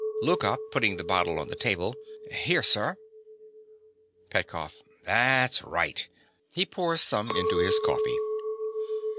LOUKA. (putting the bottle on the table). Here, sir. PETKOFF. That's right. (_He pours some into his coffee.